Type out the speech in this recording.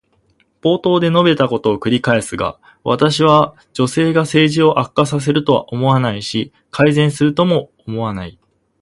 冒頭で述べたことを繰り返すが、私は女性が政治を悪化させるとは思わないし、改善するとも思わない。